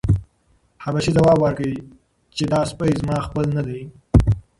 حبشي ځواب ورکړ چې دا سپی زما خپل نه دی.